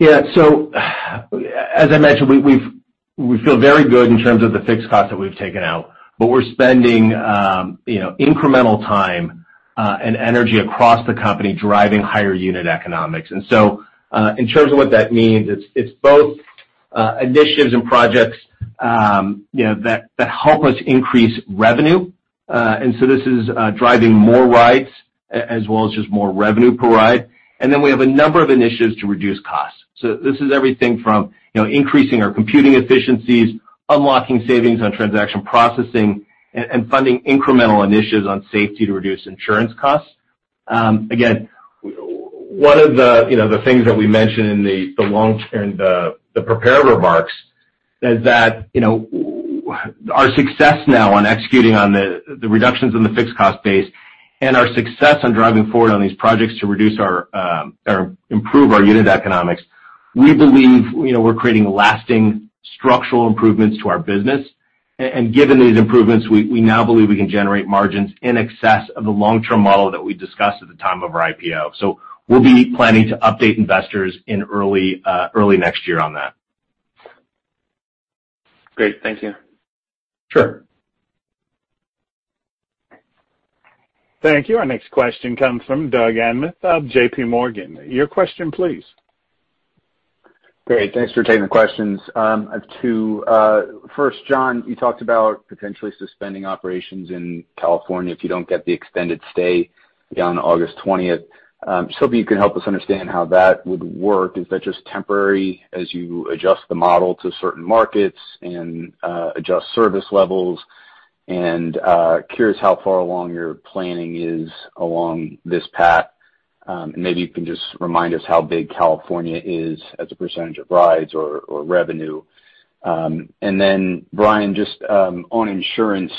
Yeah. As I mentioned, we feel very good in terms of the fixed costs that we've taken out, but we're spending incremental time and energy across the company driving higher unit economics. In terms of what that means, it's both initiatives and projects that help us increase revenue. This is driving more rides as well as just more revenue per ride. We have a number of initiatives to reduce costs. This is everything from increasing our computing efficiencies, unlocking savings on transaction processing, and funding incremental initiatives on safety to reduce insurance costs. Again, one of the things that we mentioned in the prepared remarks is that our success now on executing on the reductions in the fixed cost base and our success on driving forward on these projects to improve our unit economics, we believe we're creating lasting structural improvements to our business. Given these improvements, we now believe we can generate margins in excess of the long-term model that we discussed at the time of our IPO. We'll be planning to update investors in early next year on that. Great. Thank you. Sure. Thank you. Our next question comes from Doug Anmuth of JPMorgan. Your question, please. Great. Thanks for taking the questions. I have two. First, John, you talked about potentially suspending operations in California if you don't get the extended stay beyond August 20th. I'm just hoping you can help us understand how that would work. Is that just temporary as you adjust the model to certain markets and adjust service levels? Curious how far along your planning is along this path. Maybe you can just remind us how big California is as a percentage of rides or revenue. Then Brian, just on insurance,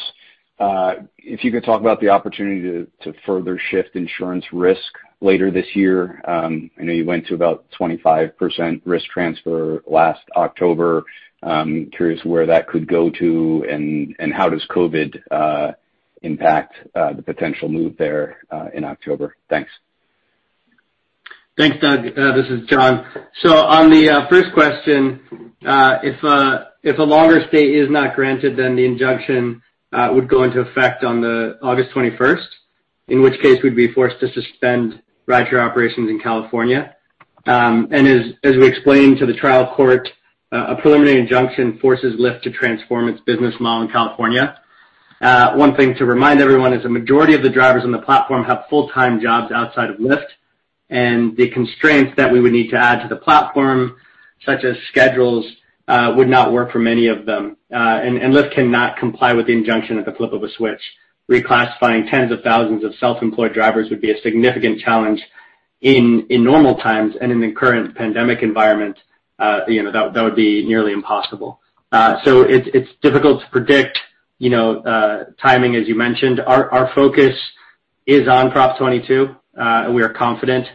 if you could talk about the opportunity to further shift insurance risk later this year. I know you went to about 25% risk transfer last October. Curious where that could go to and how does COVID-19 impact the potential move there in October. Thanks. Thanks, Doug. This is John. On the first question, if a longer stay is not granted, then the injunction would go into effect on August 21st, in which case we'd be forced to suspend rideshare operations in California. As we explained to the trial court, a preliminary injunction forces Lyft to transform its business model in California. One thing to remind everyone is a majority of the drivers on the platform have full-time jobs outside of Lyft. The constraints that we would need to add to the platform, such as schedules, would not work for many of them. Lyft cannot comply with the injunction at the flip of a switch. Reclassifying tens of thousands of self-employed drivers would be a significant challenge in normal times, and in the current pandemic environment, that would be nearly impossible. It's difficult to predict timing, as you mentioned. Our focus Is on Proposition 22, and we are confident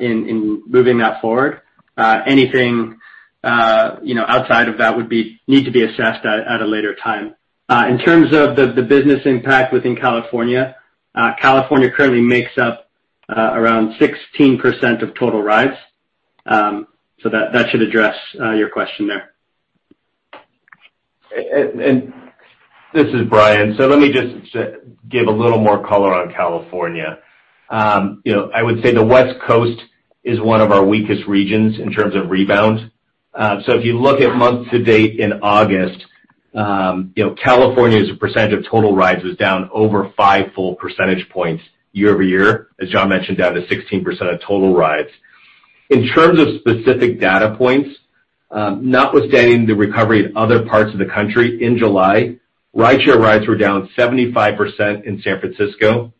in moving that forward. Anything outside of that would need to be assessed at a later time. In terms of the business impact within California currently makes up around 16% of total rides. That should address your question there. This is Brian. Let me just give a little more color on California. I would say the West Coast is one of our weakest regions in terms of rebound. If you look at month-to-date in August, California as a percentage of total rides was down over five full percentage points year-over-year, as John mentioned, down to 16% of total rides. In terms of specific data points, notwithstanding the recovery in other parts of the country, in July, rideshare rides were down 75% in San Francisco,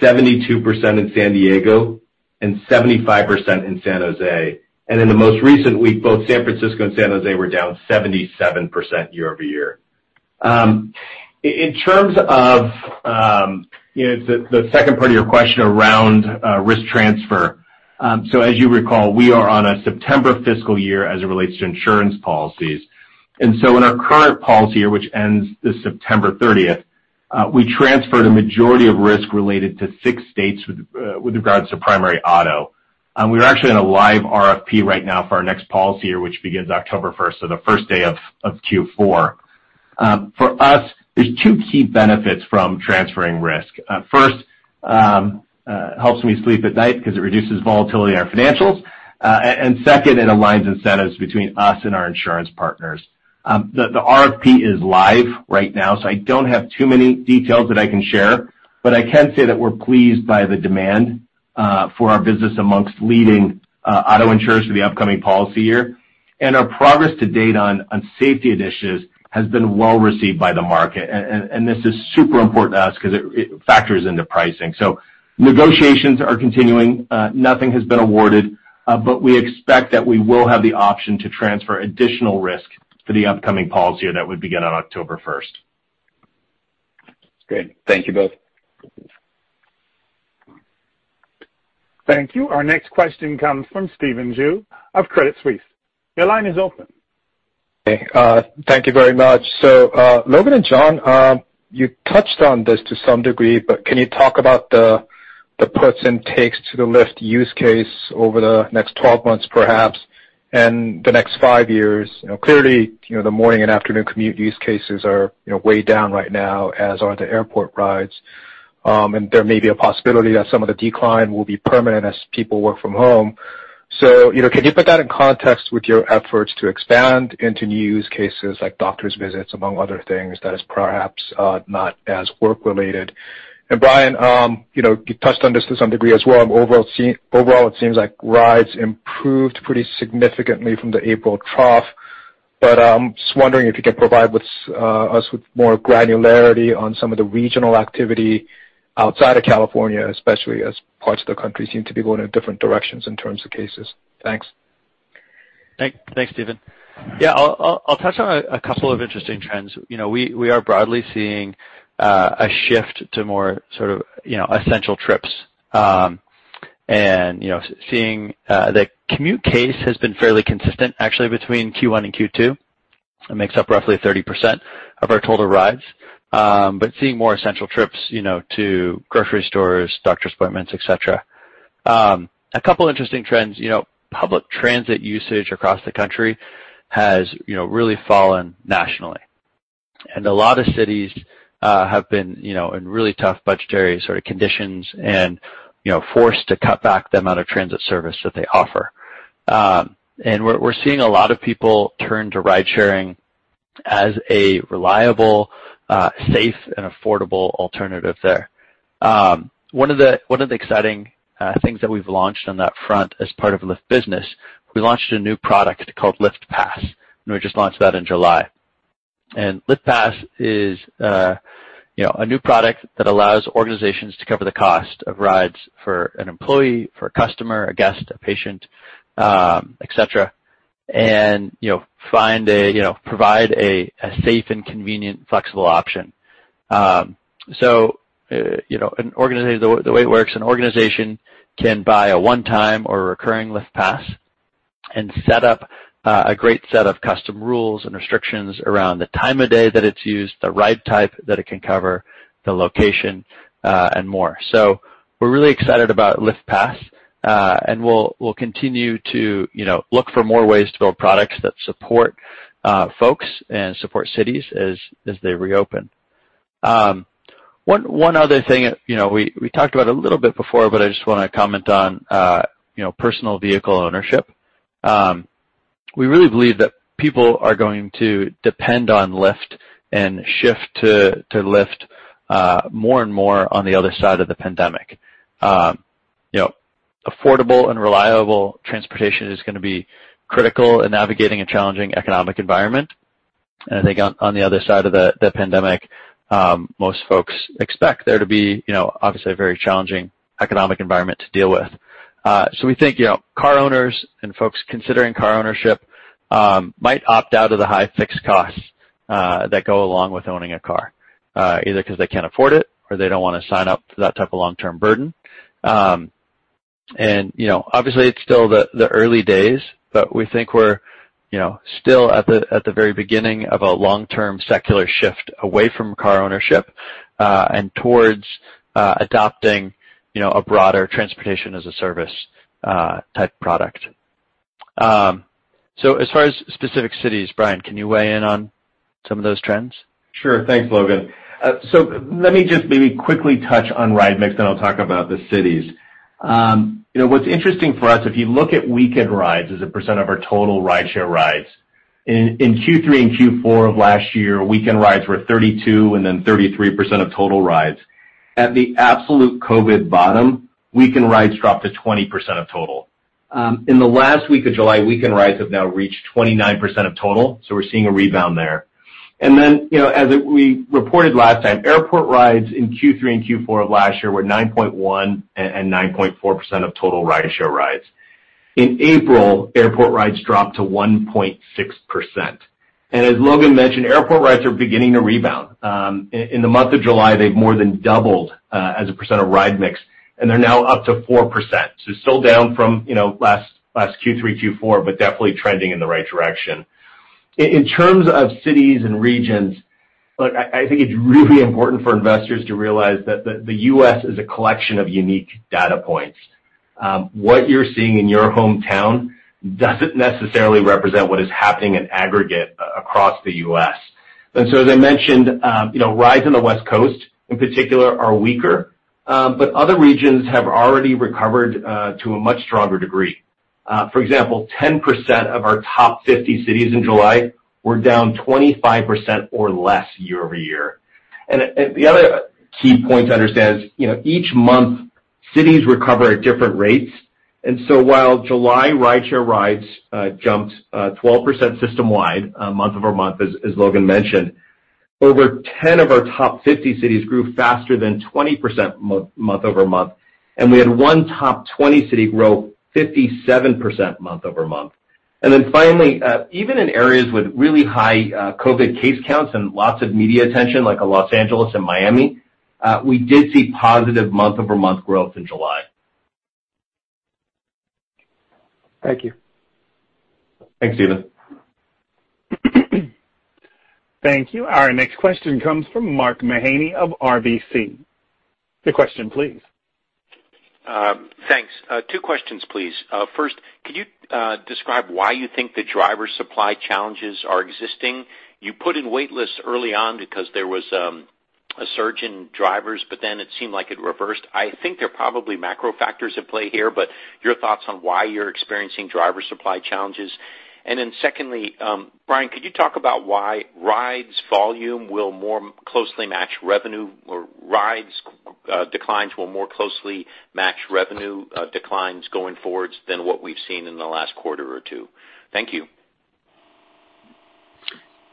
72% in San Diego, and 75% in San Jose. In the most recent week, both San Francisco and San Jose were down 77% year-over-year. In terms of the second part of your question around risk transfer. As you recall, we are on a September fiscal year as it relates to insurance policies. In our current policy year, which ends this September 30th, we transferred a majority of risk related to six states with regards to primary auto. We are actually in a live RFP right now for our next policy year, which begins October 1st, so the first day of Q4. For us, there's two key benefits from transferring risk. First, helps me sleep at night because it reduces volatility in our financials. Second, it aligns incentives between us and our insurance partners. The RFP is live right now, so I don't have too many details that I can share, but I can say that we're pleased by the demand for our business amongst leading auto insurers for the upcoming policy year. Our progress to date on safety initiatives has been well-received by the market, and this is super important to us because it factors into pricing. Negotiations are continuing. Nothing has been awarded, but we expect that we will have the option to transfer additional risk for the upcoming policy year that would begin on October 1st. Great. Thank you both. Thank you. Our next question comes from Stephen Ju of Credit Suisse. Your line is open. Okay. Thank you very much. Logan and John, you touched on this to some degree, but can you talk about the puts and takes to the Lyft use case over the next 12 months, perhaps, and the next 5 years? Clearly, the morning and afternoon commute use cases are way down right now, as are the airport rides. There may be a possibility that some of the decline will be permanent as people work from home. Can you put that in context with your efforts to expand into new use cases like doctor's visits, among other things, that is perhaps not as work-related? Brian, you touched on this to some degree as well. Overall, it seems like rides improved pretty significantly from the April trough. I'm just wondering if you can provide us with more granularity on some of the regional activity outside of California, especially as parts of the country seem to be going in different directions in terms of cases? Thanks. Thanks, Stephen. Yeah, I'll touch on a couple of interesting trends. Seeing the commute case has been fairly consistent, actually, between Q1 and Q2. It makes up roughly 30% of our total rides. Seeing more essential trips to grocery stores, doctor's appointments, et cetera. A couple interesting trends. Public transit usage across the country has really fallen nationally. A lot of cities have been in really tough budgetary sort of conditions and forced to cut back the amount of transit service that they offer. We're seeing a lot of people turn to ridesharing as a reliable, safe, and affordable alternative there. One of the exciting things that we've launched on that front as part of Lyft Business, we launched a new product called Lyft Pass, and we just launched that in July. Lyft Pass is a new product that allows organizations to cover the cost of rides for an employee, for a customer, a guest, a patient, et cetera, and provide a safe and convenient, flexible option. The way it works, an organization can buy a one-time or recurring Lyft Pass and set up a great set of custom rules and restrictions around the time of day that it's used, the ride type that it can cover, the location, and more. We're really excited about Lyft Pass. We'll continue to look for more ways to build products that support folks and support cities as they reopen. One other thing we talked about a little bit before, but I just want to comment on personal vehicle ownership. We really believe that people are going to depend on Lyft and shift to Lyft more and more on the other side of the pandemic. Affordable and reliable transportation is going to be critical in navigating a challenging economic environment. I think on the other side of the pandemic, most folks expect there to be obviously a very challenging economic environment to deal with. We think car owners and folks considering car ownership might opt out of the high fixed costs that go along with owning a car, either because they can't afford it or they don't want to sign up for that type of long-term burden. Obviously, it's still the early days, but we think we're still at the very beginning of a long-term secular shift away from car ownership, and towards adopting a broader transportation as a service type product. As far as specific cities, Brian, can you weigh in on some of those trends? Sure. Thanks, Logan. Let me just maybe quickly touch on ride mix, then I'll talk about the cities. What's interesting for us, if you look at weekend rides as a percent of our total rideshare rides. In Q3 and Q4 of last year, weekend rides were 32% and then 33% of total rides. At the absolute COVID bottom, weekend rides dropped to 20% of total. In the last week of July, weekend rides have now reached 29% of total, so we're seeing a rebound there. As we reported last time, airport rides in Q3 and Q4 of last year were 9.1% and 9.4% of total rideshare rides. In April, airport rides dropped to 1.6%. As Logan mentioned, airport rides are beginning to rebound. In the month of July, they've more than doubled as a percent of ride mix, and they're now up to 4%. Still down from last Q3, Q4, but definitely trending in the right direction. In terms of cities and regions, I think it's really important for investors to realize that the U.S. is a collection of unique data points. What you're seeing in your hometown doesn't necessarily represent what is happening in aggregate across the U.S. As I mentioned, rides in the West Coast, in particular, are weaker. Other regions have already recovered to a much stronger degree. For example, 10% of our top 50 cities in July were down 25% or less year-over-year. The other key point to understand is, each month, cities recover at different rates. While July rideshare rides jumped 12% system-wide month-over-month, as Logan mentioned, over 10 of our top 50 cities grew faster than 20% month-over-month. We had one top 20 city grow 57% month-over-month. Finally, even in areas with really high COVID case counts and lots of media attention, like Los Angeles and Miami, we did see positive month-over-month growth in July. Thank you. Thanks, Stephen. Thank you. Our next question comes from Mark Mahaney of RBC. The question, please. Thanks. Two questions, please. First, can you describe why you think the driver supply challenges are existing? You put in wait lists early on because there was a surge in drivers, but then it seemed like it reversed. I think there are probably macro factors at play here, but your thoughts on why you're experiencing driver supply challenges. Secondly, Brian, could you talk about why rides volume will more closely match revenue, or rides declines will more closely match revenue declines going forwards than what we've seen in the last quarter or two? Thank you.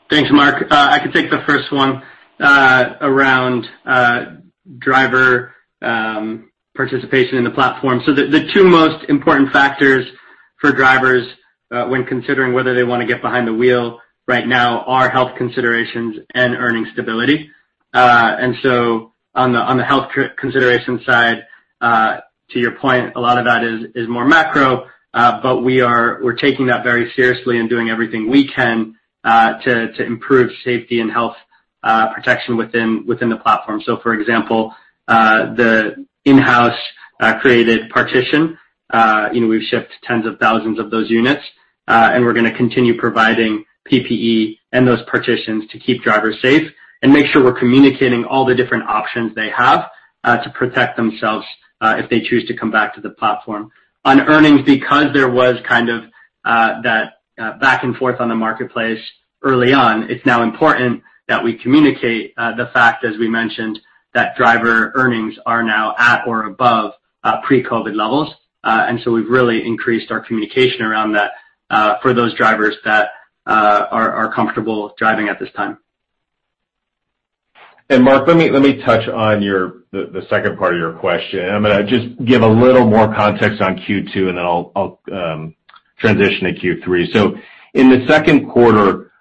Thanks, Mark. I can take the first one around driver participation in the platform. The two most important factors for drivers, when considering whether they want to get behind the wheel right now, are health considerations and earning stability. On the health consideration side, to your point, a lot of that is more macro. We're taking that very seriously and doing everything we can to improve safety and health protection within the platform. For example, the in-house-created partition, we've shipped tens of thousands of those units. We're going to continue providing PPE and those partitions to keep drivers safe and make sure we're communicating all the different options they have to protect themselves if they choose to come back to the platform. On earnings, because there was kind of that back and forth on the marketplace early on, it's now important that we communicate the fact, as we mentioned, that driver earnings are now at or above pre-COVID levels. We've really increased our communication around that for those drivers that are comfortable driving at this time. Mark, let me touch on the second part of your question. I'm going to just give a little more context on Q2, then I'll transition to Q3. In the second quarter,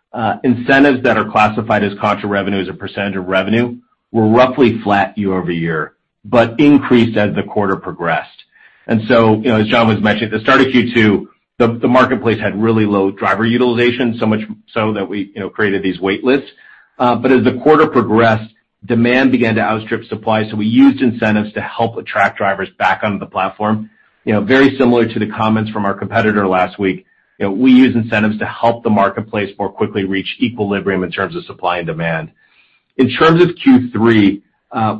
incentives that are classified as contra-revenue as a percentage of revenue were roughly flat year-over-year, but increased as the quarter progressed. As John was mentioning, at the start of Q2, the marketplace had really low driver utilization, so much so that we created these wait lists. As the quarter progressed, demand began to outstrip supply, so we used incentives to help attract drivers back onto the platform. Very similar to the comments from our competitor last week, we use incentives to help the marketplace more quickly reach equilibrium in terms of supply and demand. In terms of Q3,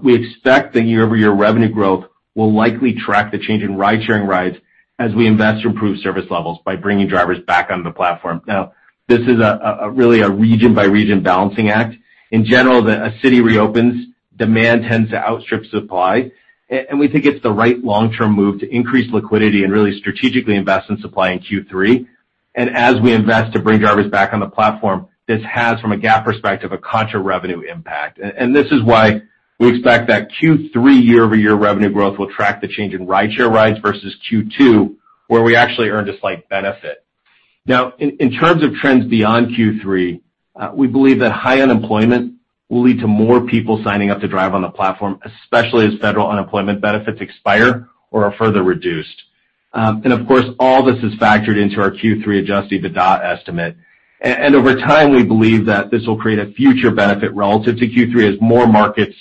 we expect that year-over-year revenue growth will likely track the change in ridesharing rides as we invest to improve service levels by bringing drivers back on the platform. This is really a region-by-region balancing act. In general, a city reopens, demand tends to outstrip supply. We think it's the right long-term move to increase liquidity and really strategically invest in supply in Q3. As we invest to bring drivers back on the platform, this has, from a GAAP perspective, a contra-revenue impact. We expect that Q3 year-over-year revenue growth will track the change in rideshare rides versus Q2, where we actually earned a slight benefit. Now, in terms of trends beyond Q3, we believe that high unemployment will lead to more people signing up to drive on the platform, especially as federal unemployment benefits expire or are further reduced. Of course, all this is factored into our Q3 adjusted EBITDA estimate. Over time, we believe that this will create a future benefit relative to Q3, as more markets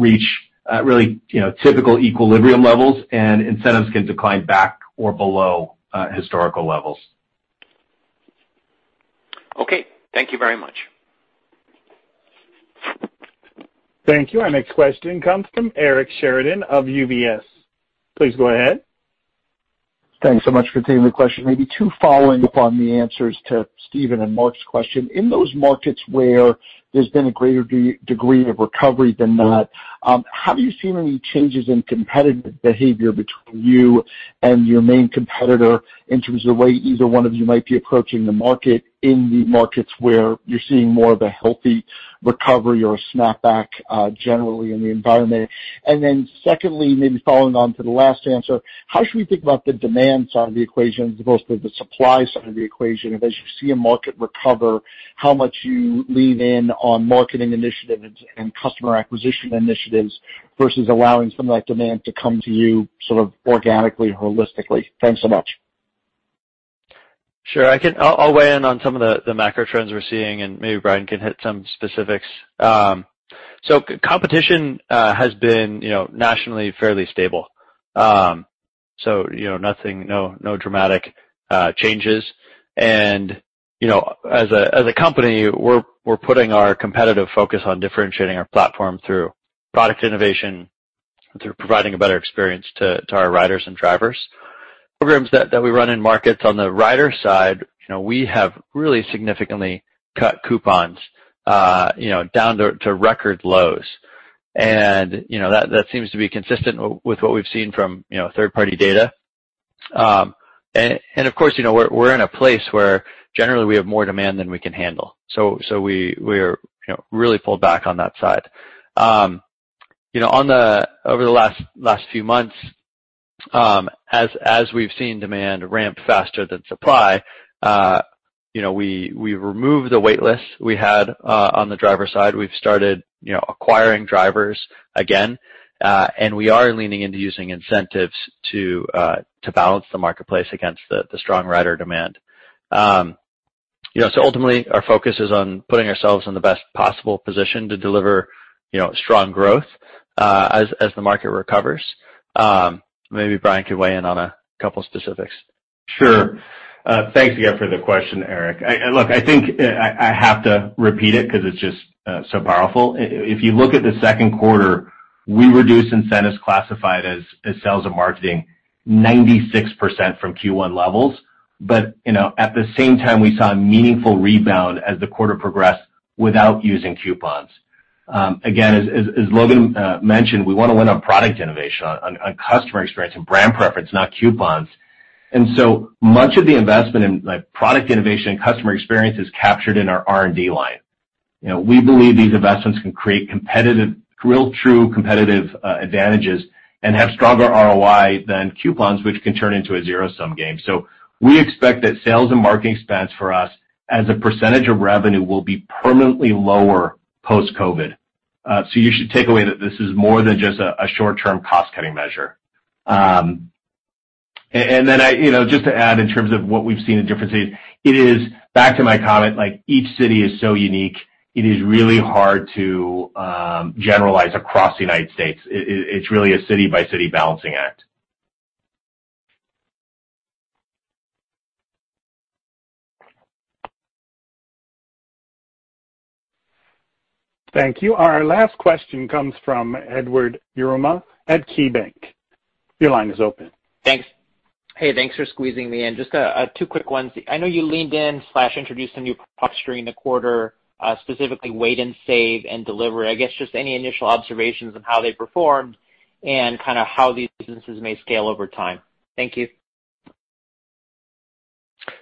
reach really typical equilibrium levels and incentives can decline back or below historical levels. Okay. Thank you very much. Thank you. Our next question comes from Eric Sheridan of UBS. Please go ahead. Thanks so much for taking the question. Two following up on the answers to Stephen and Mark's question. In those markets where there's been a greater degree of recovery than not, have you seen any changes in competitive behavior between you and your main competitor in terms of the way either one of you might be approaching the market in the markets where you're seeing more of a healthy recovery or a snapback, generally in the environment? Secondly, maybe following on to the last answer, how should we think about the demand side of the equation as opposed to the supply side of the equation? As you see a market recover, how much you lean in on marketing initiatives and customer acquisition initiatives versus allowing some of that demand to come to you sort of organically, holistically? Thanks so much. Sure. I'll weigh in on some of the macro trends we're seeing, and maybe Brian can hit some specifics. Competition has been nationally fairly stable. Nothing, no dramatic changes. As a company, we're putting our competitive focus on differentiating our platform through product innovation, through providing a better experience for our riders and drivers. Programs that we run in markets on the rider side, we have really significantly cut coupons down to record lows. That seems to be consistent with what we've seen from third-party data. Of course, we're in a place where generally we have more demand than we can handle. We are really pulled back on that side. Over the last few months, as we've seen demand ramp faster than supply, we've removed the wait list we had on the driver side. We've started acquiring drivers again. We are leaning into using incentives to balance the marketplace against the strong rider demand. Ultimately, our focus is on putting ourselves in the best possible position to deliver strong growth as the market recovers. Maybe Brian could weigh in on a couple specifics. Sure. Thanks again for the question, Eric. Look, I think I have to repeat it because it's just so powerful. If you look at the second quarter, we reduced incentives classified as sales and marketing 96% from Q1 levels. At the same time, we saw a meaningful rebound as the quarter progressed without using coupons. Again, as Logan mentioned, we want to win on product innovation, on customer experience and brand preference, not coupons. Much of the investment in product innovation and customer experience is captured in our R&D line. We believe these investments can create real true competitive advantages and have stronger ROI than coupons, which can turn into a zero-sum game. We expect that sales and marketing expense for us as a percentage of revenue will be permanently lower post-COVID. You should take away that this is more than just a short-term cost-cutting measure. Just to add in terms of what we've seen in different cities, back to my comment, each city is so unique, it is really hard to generalize across the United States. It's really a city-by-city balancing act. Thank you. Our last question comes from Edward Yruma at KeyBanc. Your line is open. Thanks. Hey, thanks for squeezing me in. Just two quick ones. I know you introduced some new products during the quarter, specifically Wait & Save and Delivery. I guess just any initial observations on how they performed and kind of how these businesses may scale over time. Thank you.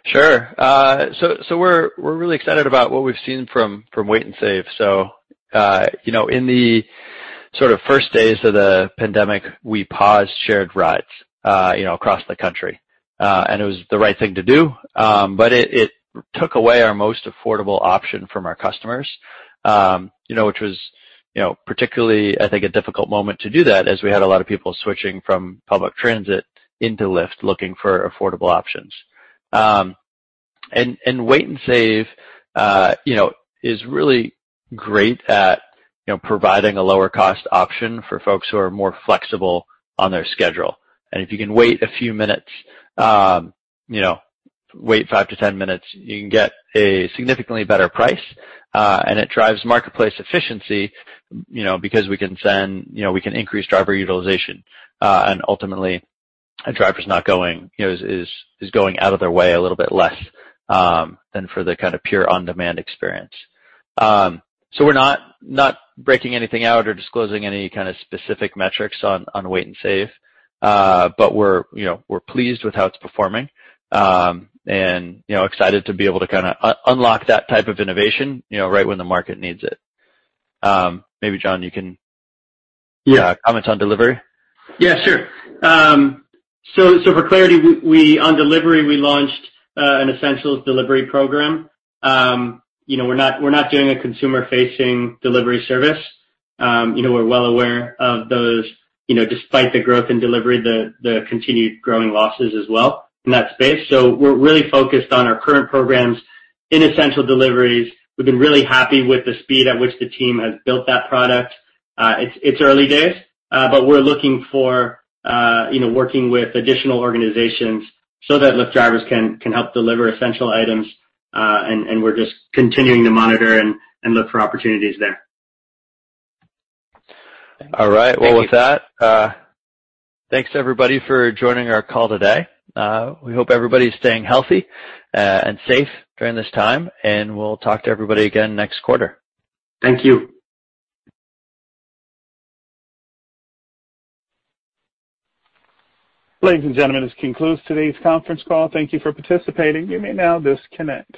Sure. We're really excited about what we've seen from Wait & Save. In the sort of first days of the pandemic, we paused shared rides across the country. It was the right thing to do. It took away our most affordable option from our customers, which was particularly, I think, a difficult moment to do that as we had a lot of people switching from public transit into Lyft looking for affordable options. Wait & Save is really great at providing a lower-cost option for folks who are more flexible on their schedule. If you can wait a few minutes, wait 5-10 minutes, you can get a significantly better price. It drives marketplace efficiency because we can increase driver utilization. Ultimately, a driver is going out of their way a little bit less than for the kind of pure on-demand experience. We're not breaking anything out or disclosing any kind of specific metrics on Wait & Save. We're pleased with how it's performing, and excited to be able to kind of unlock that type of innovation right when the market needs it. Maybe, John, you can. Yeah. Comment on delivery. Yeah, sure. For clarity, on delivery, we launched an Essentials Delivery program. We're not doing a consumer-facing delivery service. We're well aware of those, despite the growth in delivery, the continued growing losses as well in that space. We're really focused on our current programs in essential deliveries. We've been really happy with the speed at which the team has built that product. It's early days, but we're looking for working with additional organizations so that Lyft drivers can help deliver essential items. We're just continuing to monitor and look for opportunities there. All right. Well, with that, thanks, everybody, for joining our call today. We hope everybody's staying healthy and safe during this time, we'll talk to everybody again next quarter. Thank you. Ladies and gentlemen, this concludes today's conference call. Thank you for participating. You may now disconnect.